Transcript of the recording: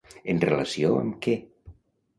En relació amb què?